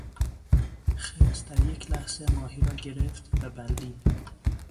خرس در یک لحظه ماهی را گرفت و بلعید.